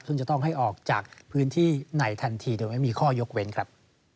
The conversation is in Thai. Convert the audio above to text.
ซึ่งจะต้องให้ออกจากพื้นที่ในทันทีโดยไม่มีข้อยกเว้นครับ